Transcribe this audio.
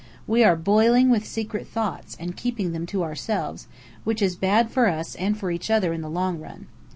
We are boiling with secret thoughts, and keeping them to ourselves, which is bad for us and for each other in the long run.